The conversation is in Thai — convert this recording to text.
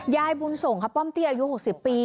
ยายบุญส่งค่ะป้อมเตี้ยอายุ๖๐ปี